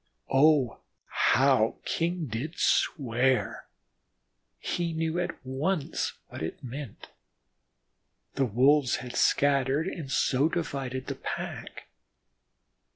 Oh, how King did swear! He knew at once what it meant. The Wolves had scattered, and so had divided the pack.